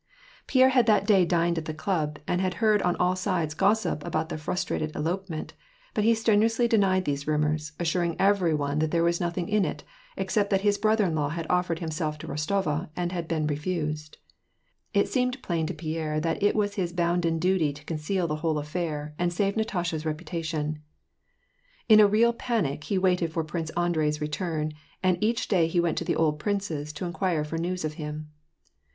Pierre had that day dined at the club, and had heard on all sides gossip about the frustrated elopement, but he strenu ously denied these rumors, assuring every one that there was nothing in it, except that his brother in law had offered himself to Kostova, and been refused. It seemed plain to Pierre that it was his bounden duty to conceal the whole affair, and save Natasha's reputation. In a real panic he waited for Prince Andrei's return, and each day he went to the old prince's to inquire for news of him.